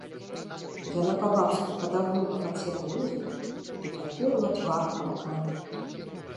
Яна па-бабску падагнула пад сябе ногі і падперла твар рукамі.